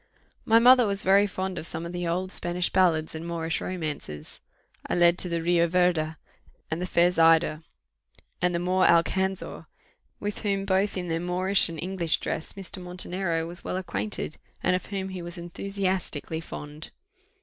My mother was very fond of some of the old Spanish ballads and Moorish romances: I led to the Rio Verde, and the fair Zaida, and the Moor Alcanzor, with whom both in their Moorish and English dress Mr. Montenero was well acquainted, and of whom he was enthusiastically fond.